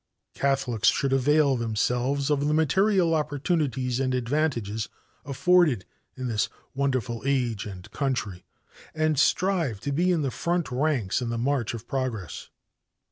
Catholics should avail themselves of the material opportunities and advantages offered in this wonderful age and country, and strive to be in the front ranks in the march of progress.